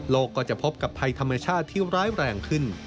ก็จะพบกับภัยธรรมชาติที่ร้ายแรงขึ้น